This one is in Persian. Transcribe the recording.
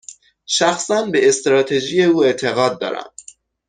شخصا، به استراتژی او اعتقاد دارم.